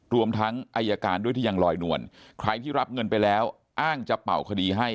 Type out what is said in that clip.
รวมทั้งอายการด้วยที่ยังลอยนวลใครที่รับเงินไปแล้วอ้างจะเป่าคดีให้